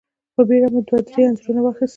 په بېړه مو دوه درې انځورونه واخيستل.